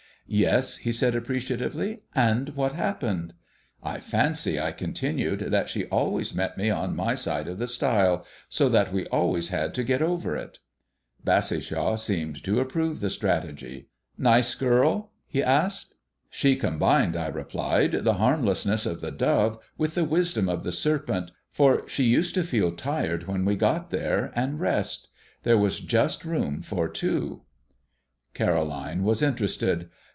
"Yes?" he said appreciatively. "And what happened?" "I fancy," I continued, "that she always met me on my side of the stile, so that we always had to get over it." Bassishaw seemed to approve the strategy. "Nice girl?" he asked. "She combined," I replied, "the harmlessness of the dove with the wisdom of the serpent, for she used to feel tired when we got there, and rest. There was just room for two." Caroline was interested.